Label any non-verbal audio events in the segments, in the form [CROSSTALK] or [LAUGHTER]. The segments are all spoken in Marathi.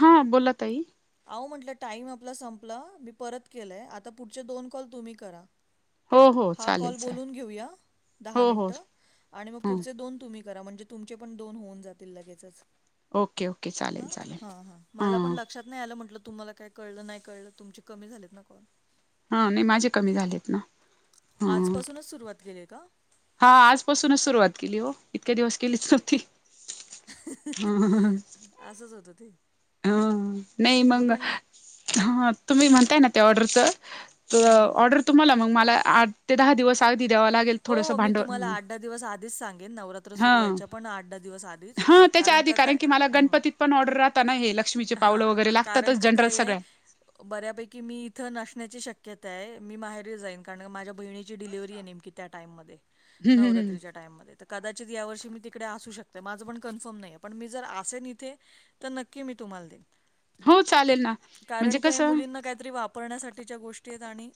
हा बोला ताई. अहो म्हटलं टाइम आपला संपला मी परत केलंय आता पुढचे दोन कॉल तुम्ही करा. हो हो हा चालेल कॉल चालेल बोलून घेऊया दहा हो हो मिनिटं आणि मग ह पुढचे दोन तुम्ही करा म्हणजे तुमचे पण दोन होऊन जातील लगेच. ओके ओके ह चालेल चालेल हा हा मला पण हां लक्षात नाही आलं म्हटलं तुम्हाला काय कळलं नाही कळलं तुमची कमी झालेत ना कॉल. हा नाही माझे कमी झालेत ना, हां आजपासूनच सुरुवात केेली का? हा आजपासूनच सुरुवात केली हो इतके दिवस केलीच नव्हती हा हा असंच होतं ते हा नाही मी मंग पण हा तुम्ही म्हणताय ना त्या ऑर्डरचं तर हं. ऑर्डर तुम्हाला मग मला आठ ते दहा दिवस अगदी द्यावं लागेल हो थोडंसं हो मी तुम्हाला भांडवल आठ दहा दिवस आधीच सांगेन नवरात्र सुरू हां व्हायच्या पण आठ दहा दिवस आधी हा त्याच्या कारण आधी का काय की मला हम. गणपतीत पण ऑर्डर राहताना नाही हे लक्ष्मीचे पावलं वगैरे कारण लागतातच का जनरल काय आहे, सगळ्या बऱ्यापैकी मी इथं नसण्याची शक्यता आहे मी माहेर जाईन कारण माझ्या बहिणी डिलिव्हरी आहे नेमकी त्या टाम हम्म हम्म हम्म नवरात्रीच्या टाईम म तर कदाचित या वर्षी मी तिकडे असू शकते माझं पण कन्फर्म नाही आहे पण मी जर असेन इथे तर नक्की मी तुम्हाला देन हो चालेल ना म्हणजे कारण क हे कसं मुलींना काहीतरी वापर पण्यासाठीच्या गोष्टी आहेत आणि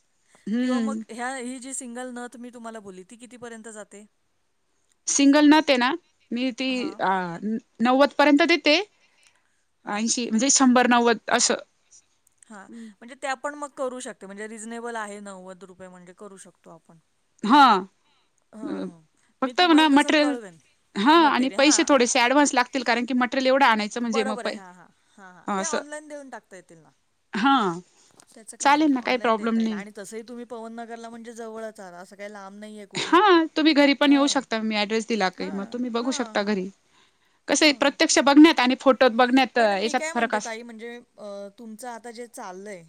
किंवा हम्म मग ह्या ही जी सिंगल नथ मी तुम्हाला बोलली ती कितीपर्यंत जाते. सिंगल न ते ना मी ती हां, नव्वद पर्यंत देते. हां, ऐशी म्हणजे शंभर नव्वद असं हा म्हणजे ते आपण मग करू शकते म्हणजे रिझनेबल आहे नव्वद रुपये म्हणजे करू शकतो आपण हा हां हां मी फक्त म्हणा तुम्हाला तसं मटेरियल कळवेन हा आणि मटेरियल पैसे हां थोडेसे ऍडव्हान्स लागतील कारण की मटेरियल एवढं आणायचं म्हणजे म हा हा ते ऑनलाईन देऊन टाकता येतील ना हा. त्याचं काही चालेल ना नाही ऑनलाईन प्रॉब्लेम देता येईल नाही आणि तसंही तुम्ही पवनगरला म्हणजे जवळच आह असं काही लांब नाही. कुठे हा तुम्ही घरी पण हा येऊ शकता मी ऍड्रेस दिला काही हा मग तुम्ही बघू हा शकता हा. घरी कसं आहे हा प्रत्यक्ष बघण्यात आणि फोटोत बघण्यात अ, पण मी याच्यात काय फरक म्हणते त अस आाई म्हणजे अ तुमचं आता जे चाललंय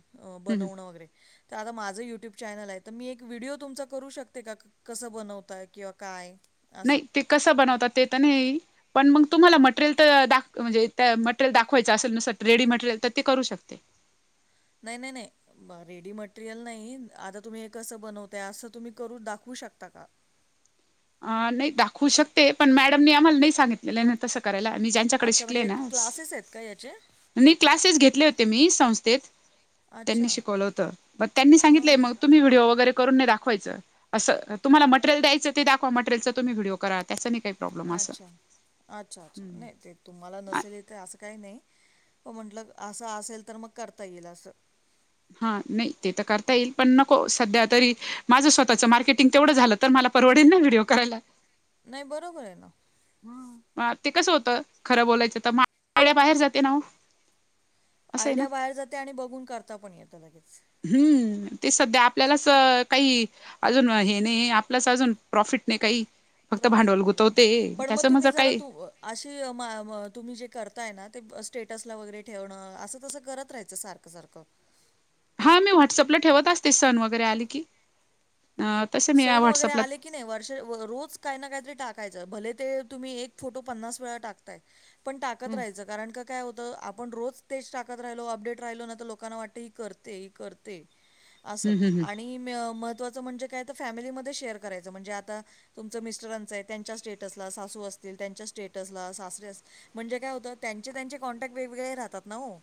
हम्म बनवणं वगैरे तर आता माझं युट्यूब चॅनल आहे तर मी एक व्हिडिओ तुमचा करू शकते का? कसं बनवतय किंवा काय असं नाही ते कसं बनवतात ते तर नाही. पण मग तुम्हाला मटेरियल तर दाख म्हणजे त्या मटेरियल दाखवायच असे नसं रेडी मटेरियल तर ते करू शकते. नाही नाही नाही ब रेडी मटेरियल नाही आता तुम्ही हे कसं बनवताय असं तुम्ही करू दाखवू शकता का? अ नाही दाखवू शकते पण मॅडमनी आम्हाला नाही सांगितलेलं आहे नाही तस करायला मी ज्यांच्याकडे शिकले ना अज नाही क्लासेस घेतले होते मी संस्थेत अच्छा. त्यांनी शिकवलं होतं म त्यांनी हां, सांगितलंय हां. मग त तुम् व्हिडिओ वगर करून नाही दाखवाचं असं तुमला मटरियल द्यायचं. ते दाखवा मटरेल तम्ही् व्हिडिओ करा त्यांच काही नाही. प्रॉब्लेम अच्छा असं अच्छा अच्छा नाही ते तुम्हाला नसेल येत असं काही नाही पण म्हटलं असं असेल तर मग करता येईल असं हा नाही ते तर करता येईल पण नको सध्या तरी माझं स्वतःचं मार्केटिंग तेवढं झालं तर मला परवडेल ना व्हिडिओ करायला. नाही बरोबर आहे ना. हा ते कसं होतं खरं बोलायचं तर आयडिया बाहेर जाते ना ओ आयडिया बाहेर जाते आणि बघून करता पण येतं लगेच. हम्म ते सध्या आपल्यालाच काही अजून हे नाही आपल्यास अजून प्रॉफिट नाही काही फक्त प्रॉफिट भांडवल नाही बरोबर. गुतवते पण मग त्याच तुम्ही माझं जरा काही तू अशी मा मा तुम्ही जे करताय ना ते स्टेटसला वगैरे ठेवणं असं तसं करत राहायचं सार ख सारखं हां मी व्हॉट्सअपला ठेवत असते सण वगैरे आले की, अह सण वगैरे आले की नाही वर्ष, रोज काय ना काहीतरी टाकायचं भले ते तुम्ही एक फोटो पन्नास वेळा टाक ताय, पण टाकत हम्म राहायचं कारण का काय होत आपण रोज तेच टाकत राहिलो अपडेट राहिलो ना तर लोकांना वाटत ही करते ही करते असं हम्म हम्म हम्म आणि म महत्त्वाचं म्हणजे काय तर फॅमिलीमध्ये शेअर करायचं म्हणजे आता तुमचं मिस्टरांचं आहे त्यांच्या स्टेटसला, सासू असतील त्यांच्या स्टेटसला, सासरे असती म्हणजे काय होतं त्यांचे त्यांचे कॉन्टॅक्ट वेगवेगळे राहतात ना ओ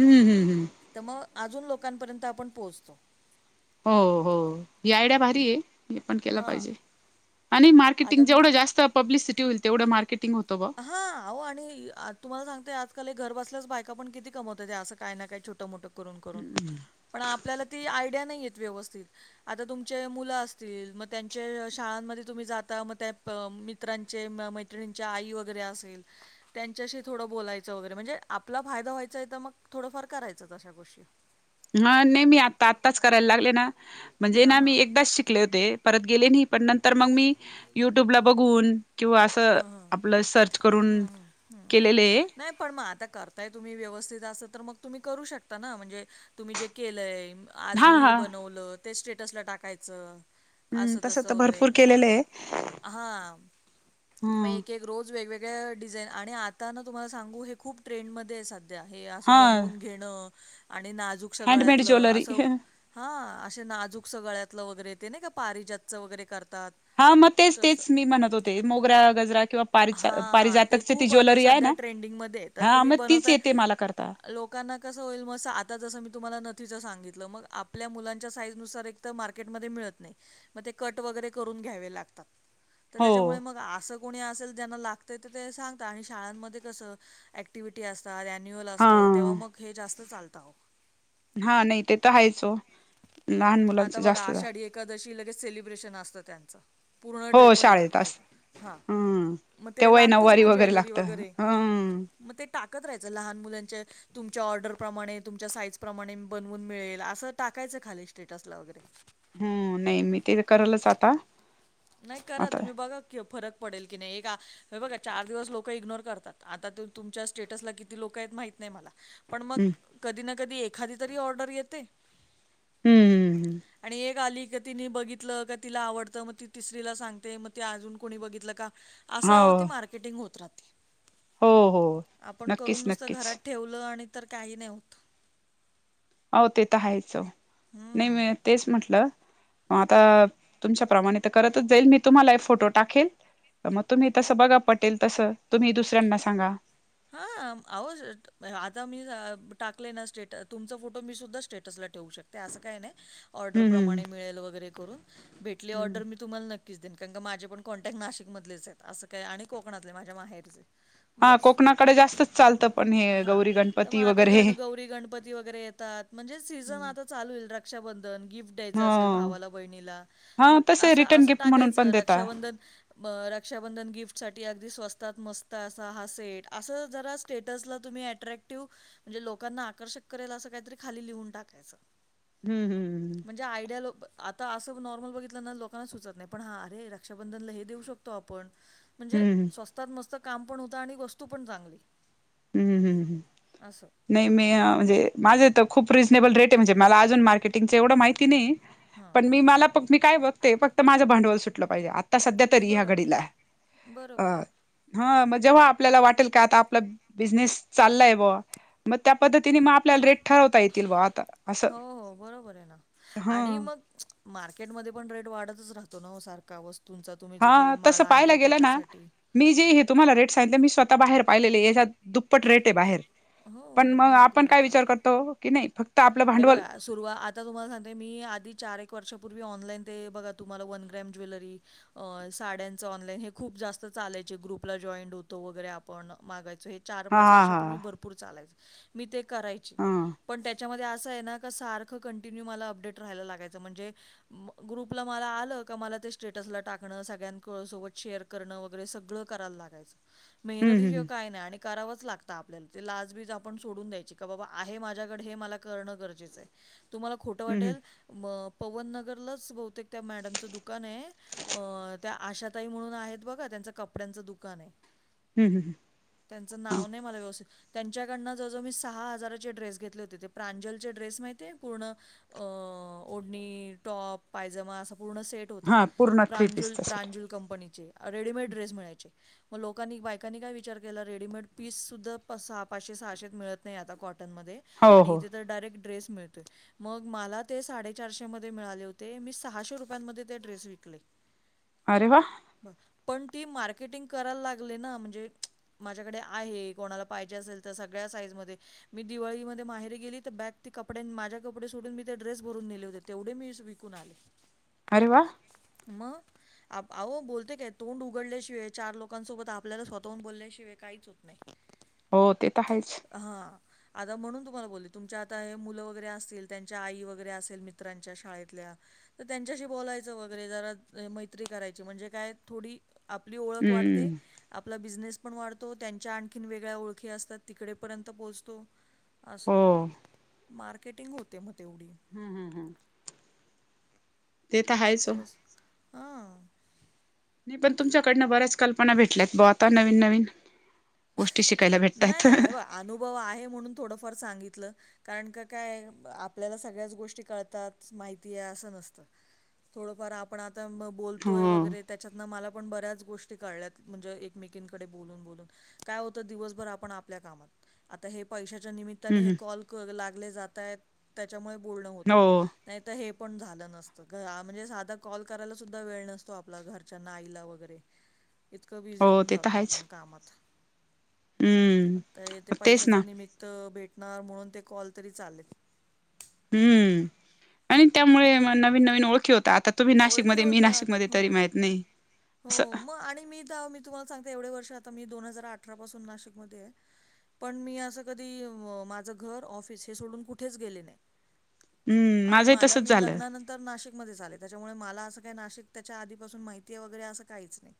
हम्म हम्म हम्म. तर मग अजून लोकांपर्यंत आपण पोहोचतो. हो हो ही आयडिया भारी आहे. हे पण केल हां. पाहिजे आणि आता मार्केटिंग मु जेवढं जास्त पब्लिसिटी होईल तेवढं मार्केटिंग होत बा हा अहो आणि अह तुम्हाला सांगतेय आजकाल हे घर बसल्यास बायका पण किती कमावताहेत हे असं काय ना काय छोटं मोठं करून करून पण आपल्याला ती आयडिया नाहीे येत व्यवस्थित आता तुमचे मुलं असतील मग त्यांचे शाळांमध्ये तुम्ही जाता मग त्या मी त्रांचे मैत्रिणींच्या आई वगैरे असेल त्यांच्याशी थोडं बोलायचं वगैरे म्हणजे आपला फायदा व्हायचा आहे तर मग थोडंफार करायच्याच अशा गोष्टी. हा नाही मी आता आत्ताच करायला लागले ना, म्हणजे ना हां, मी हां. एकदाच शिकले होते परत गेले नाही पण नंतर मग मी युट्यूबला बघून किंवा असं हां, हां. आपलं सर्च हं, करून हं, हं. केलेले आहे. नाही, पण मग आता कर ताय तुम्ही व्यवस्थित अस तर मग तुम्ही करू शकता ना म्हणजे तुम्ही जे केलंय आज हा मी हे हा बनवलं ते स्टेटसला टाकायचं. हम्म असं तस तर वगैरे, भरपूर केलेलं आहे हा. मग ह एक एक रोज वेगवेगळ्या डिझाईन आणि आता ना तुम्हाला सांगू हे खूप ट्रेंडमध्ये आहे स ध्या हे असं हा बनवून घेणं आणि नाजूक हँडमेड सगळ्यातलं ज्वेलरी अस हा, असे नाजूकस गळ्यातलं वगैरे ते नाही का पारिजातचं वगैरे करतात हा मग तेच तसं. तेच मी म्हणत होते मोगरा गजरा किंवा पारिजा हां, हां. ते पारिजातकची ती खूप आता ज्वेलरी आहे सध्या ना ट्रेंडिंगमध्ये आहे. तर हा तुम्ही मग तीच बनवताय येते मला करता. लोकांना कसं होईल मग आता जसं मी तुम्हाला नथीच सांगितलं मग आपल्या मुलांच्या साईजनुसार एक एकतर मार्केटमध्ये मिळत नाही मग ते कट वगैरे करून घ्यावे लागतात त तर हो त्याच्यामुळे मग असं कोणी असेल ज्यांना लागतंय तर ते सांगतात आणि शाळांमध्ये कसं ऍक ॲक्टिव्हिटी असतात, ॲन्युअल असतं तेव्हा हा मग हे जास्त चालतात. हा नाही ते तर हायच ओ लहान मुलांच आता बघा जास्त आषाढी एकादशी लगेच सेलिब्रेशन असतं त्यांचं, पूर्ण हो ड्रेपरी शाळेत लागते अस हा. हम्म म ते तेव्हाही लागतच नऊवारी ना वगैरे ज्वेलरी लागतं वगैरे, हम्म म ते टाकत राहायचं लहान मुलांचे तुमच्या ऑर्डर प्रमाणे, तुमच्या साईजप्रमाणे बनवून मिळेल, असं टाकायचं खाली स्टेटसला वगैरे. हम्म, नाही मी ते करलच आता. नाही करा आता तुम्ही बघा फरक पडेल की नाही एक हे बघा चार दिवस लोक इग्नोर करतात, आता तुमच्या स्टेटसला किती लोक आहेत माहिती नाही मला, पण मग हम्म कधी ना कधी एखादी तरी ऑर्डर येते हम्म आणि एक आली क तिने बघितलं, का तिला आवडतं, मग ति तिसरीला सांगते, मग ते अजून कोणी बघितलं का असं हो आहों ती मार्केटिंग होत राहते. हो हो आपण करून नक्कीच नुसतं नक्कीच घरात ठेवलं आणि तर काही न होतं. आहों ते तर आहेच ओ, नई हम्म. मी तेच म्हटलं आता तुमच्या प्रमाणे त करतच जाईल मी तुम्हाला ही फोटो टाकेल म तुम्ही तसं बघा पटेल तसं, तुम्ही दुसऱ्यांना सांगा. हां आहो आता मी टाकले ना स्टे तुमचा फोटो मी सुद्धा स्टेटसला ठेवू शकते असं काय नाही हम्म ऑर्डरप्रमाणे मिळेल वगैरे करून भेटली हम्म ऑर्डर मी तुम्हाला नक्कीच देईन, कारण का माझे पण कॉन्टॅक्ट नाशिक मधलेच आहेत, असं काय आणि कोकणातले माझ्या माहेरचे हा बस. कोकणाकडे जास्तच चालतं पण हे गौरी गणपती वगैरे हे. गौरी गणपती ती वगैरे येतात म्हणजे सीजन आता चालू होईल रक्षाबंधन गिफ्ट ह द्यायच असेक भावाला बहिला, हा मग तसे अस रिटर्न असं गिफ्ट म्हणून टाकायचं पण देता रक्षाबंधन म रक्षाबंधन गिफ्ट साठी अगदी स्वस्तात मस्त असा हा सेट. असं जरा स्टेटसला तुम्ही ॲट्रॅक्टिव्ह म्हणजे लोकांना आकर्षक करेल असं काहीतरी खाली लिहून टाकायचं. हम् हम्. म्हणजे आयडिया लो आता असं नॉर्मल बघितलं ना लोकांना सुचत नाही पण हां अरे रक्षाबंधन ला हे देऊ शक तो आपण, म्हणजे हम्म स्वस्तात मस्त काम पण होत आणि वस्तू पण चांगली. हम्म हम्म. असं. नाही मी म्हणजे माझे तर खूप रिझनेबल रेट हे, म्हणजे मला अजून मार्केटिंगच एवढं माहिती नाही हां. पण मी मला मी काय बघते फक्त माझ्या भांडवल सुटलं पाहिजे आ आता सध्या तरी ह्या बरोबर आहे, घडीला, अ बरोबर आहे. हा मग जेव्हा आपल्याला वाटेल का आता आपला बिझनेस चाललाय बुवा मग त्या पद्धतीने मग आपल्याला रेट ठरवता येतील बुवा आता असं हो, हो, बरोबर आहे ना. आणि हं. मग मार्केटमध्ये पण रेट वाढतच राहतो ना वो सारख वस्तूंचा तुम्ही जो काही हा तसं माला पाहायला आणताय गेलं ना त्याच्यासाठी. मी जे हे तुम्हाला रेट सांगते मी स्वतः बाहेर पाहिलेले याच्या दुप्पट रेट हे बाहेर. हो, पण मग महाग आपण काय विचार मिळतात. करतो की नाही फक्त आपलं हे भांडवल बघा सुरुव आता तुम्हाला सांगते मी आधी चार एक वर्षापूर्वी ऑनलाईन ते बघा तुम्हाला वन ग्रॅम ज्वेलरी अ साड्यांच ऑनलाईन हे खूप जास्त चालायचे ग्रुपला जॉईंड होतो वगैरे आपण, मागायचो हे चार हा पाच हा वर्षापूर्वी हा भरपूर चालायचं मी ते करायची, हा पण त्याच्यामध्ये असं आहे ना का सारखं कंटिन्यू मला अपडेट राहायला लागायचं म्हणजे ग्रुपला मला आलं का मला ते स्टेटसला टाकणं सगळ्यां सोबत शेअर करण वगैरे सगळ कराय लागायच, हम्म मेहनती शिवाय हम्म काय नाही आणि करावच लागत आपल्याला ते. लाज बिज आपण सोडून द्यायची, बाबा आहे माझ्याकडे हे मला करण गरजेच आहे. तुम्हाला खोट हम्म वाटेल? मग पवन नगरलाच बहुतेक त्या मॅडमचं दुकान आहे. अ त्या आशाताई म्हणून आहेत बघा, त्यांचं कपड्यांचं दुकान आहे. हम्म हम्म हम्म. त्यांचं नाव नाही मला व्यवस्थित, त्यांच्याकडनं जवळ जवळ मी सहा हजाराचे ड्रेस घेतले ते ते प्रांजलचे ड्रेस माहितीये पूर्ण अ ओढणी, टॉप, पायजमा असा पूर्ण सेट ट हा होता हा पूर्ण थ्री प्रांजुल पीसचा सेट प्रांजुल कंपनीचे, रेडीमेड ड्रेस मिळायचे. मग लोकांनी बायकांनी काय विचार केला. रेडीमेड पीससूद्धा प सहा, पाचशे, सहाशेत मिळत नाही आता कॉटनमध्ये हो आणि हो इथे तर डायरेक्ट ड्रेस मिळतेत. मग मला ते साडेचारशे मध्ये मिळाले होते. मी सहाशे रुपयांमध्ये ते ड्रेस विकले. अरे वा. पण ती मार्केटिंग करायला लागले ना म्हणजे माझ्याकडे आहे. कोणाला पाहिजे असेल तर, सगळ्या साईज मध्ये. मी दिवाळीमध्ये माहेर री गेली तर, बॅग ती कपडे माझ्या कपडे सोडून, मी ते ड्रेस भरून नेले होते. तेवढे मी विकून आले. अरे वा. मग? आप आहो बोलते काय तोंड उघडल्याशिवाय, चार लोकांसोबत आपल्याला स्वतःहुन बोलल्याशिवाय, काहीच होत [INAUDIBLE] हो, ते तर आहेच. हा आता म्हणून तुम्हाला बोले तुमच्या आता हे मुलं वगैरे असतील, त्यांच्या आई वगैरे असेल मित्रांच्या शाळेतल्या तर त्यांच्याशी बोलायचं वगैरे, जरा मैत्री करायची म्हणजे काय थोडी आपली ओळख वाढते. हम्म आपला बिझनेस पण वाढतो. त्यांच्या आणखीन वेगळ्या ओळखी असतात, तिकडेपर्यंत पोहोचतो. असं. हो मार्केटिंग होते मग तेवढी. हम्म हम्म हम्म. ते तर हायचं वो. बस. हां. नाही पण तुमच्याकडनं बऱ्याच कल्पना भेटल्यात बुआ, आता नवीन नवीन. गोष्टी शिकायला नाही भेटतायत नाही. हे बघा अनुभव आहे, म्हणून थोडंफार सांगितलं. कारण का काय आहे. आपल्याला सगळ्याच गोष्टी कळतात, माहिती आहे, असं नसतं. थोडंफार आपण आता म ब हो बोलतोय वगैरे, त्याच्यातन मला पण बऱ्याच गोष्टी कळल्यात म्हणजे एकमेकींकडे बोलून बोलून काय होत दिवसभर आपण आपल्या कामात. आता हे पैशाच्या हम्म निमित्ताने हे हम्म कॉल कग लागले जातायत, त्याच्यामुळे बोलणं होतं. हो नाही तर हे पण झालं नसतं. गं म्हणजे साधा कॉल करायला सुद्धा वेळ नसतो, आपल्या घरच्यांना आईला वगैरे. इतकं बिझी हो होऊन ते तर जातो आहेच आपण कामात. आत्ता हे ते हम्म तेच पैशाच ना निमित्त भेटणार, म्हणून ते कॉल तरी चालेत. हम्म, आणि त्यामुळे म नवीन नवीन ओळखी होता. आता तुम्ही ओळखी नाशिकमध्ये मी होतात नाशिकमध्ये हो. तरी माहित नाही हो असं. मग आणि मी तर आहो मी तुम्हाला सांगते एवढे वर्ष, आता मी दोन हजार अठरा पासून नाशिकमध्ये आहे. पण मी असं कधी माझं घर, ऑफिस हे सोडून कुठेच गेले नाही. हम्म आणि माझंही मला तसच मी झालं लग्नानं तर नाशिकमध्येचं आले त्याच्यामुळे मला अस काय नाशिक त्याच्या आधीपासून माहिती आहे वगैरे असं काहीच नाही.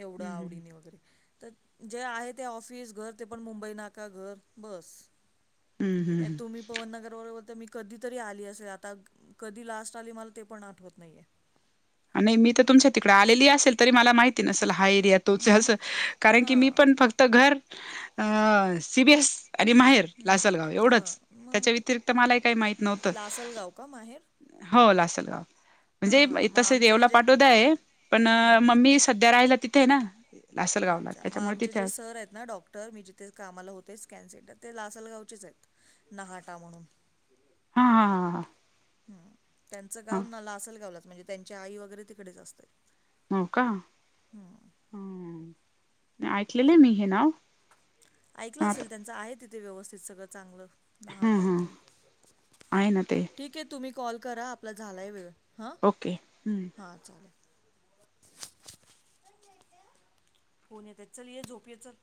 एवढं हम्म हम्म आवडीने वगैरे. तर जे आहे ते ऑफिस घर ते पण मुंबई नाका घर बस. हम्म हे हम्म. तुम्ही पवनगर वर होते मी कधीतरी आली असेल आता कधी लास्ट आली मला ते पण आठवत नाही आहे. आणि मी तर तुमच्या तिकडे आलेली असेल तरी मला माहिती नसेल हा हा एरिया तोच आहे मग अस कारण की मी हां पण फक्त तर घर अ सीबीएस आणि माहेर लासलगाव हां एवढंच मग त्याच्या व्यतिरिक्त मलाही काही माहित नव्हतं. लासलगाव का माहेर? हो लाल हां म्हणजे हां मग आमचे तसवला जे पाठव दया पण हां म हां ममीस सध्या राहिला तिथे ना, लासलगावला अच्छा मग त्याच्यामुळे आमचे जे तिथे सर आहेत ना डॉक्टर मीे ते कामाला होतेच कॅन सिंटर ते लासलगावचेच आहेत नाहाटा म्हणून हा हा हां हां. हम त्यांचं गाव नाला असेल गावलाच म्हणजे त्यांची आई वगैरे तिकडेच असते. नोका. हं ऐकलेले मी हे नाव ऐकलं असेल आता त्यांचं आहे तिथे व्यवस्थित सगळं चांगलं हम्म नाहाटा हम्म म्हून आहे ना ते ठीक आहे. तुम्ही कॉल करा आपला झालाय वेळ हां ओके हम्म हां चालेल. होन येत चल ये झोपया चल-